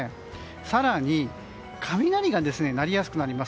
更に雷が鳴りやすくなります。